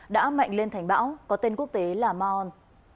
đã mạnh lên thành bão có tên quốc tế là ma on